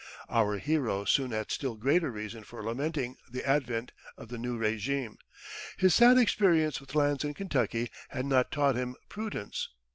Our hero soon had still greater reason for lamenting the advent of the new régime. His sad experience with lands in Kentucky had not taught him prudence.